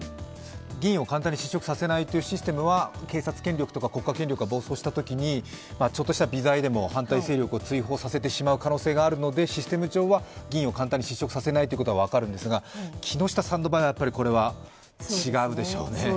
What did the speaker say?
議員を簡単に失職させないというシステムは警察権力や国家権力が暴走したときに、ちょっとした微罪のときでも反対勢力を追放させてしまう可能性があるのでシステム上は議員を簡単に失職させないということは分かるんですが、木下さんの場合、これは違うでしょうね。